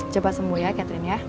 cepat sembuh ya catherine ya